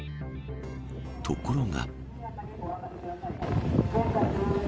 ところが。